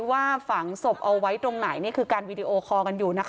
ว่าฝังศพเอาไว้ตรงไหนนี่คือการวีดีโอคอลกันอยู่นะคะ